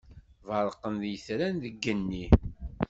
Berrqen yitran deg igenni.